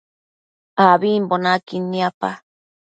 Ambimbo naquid niapa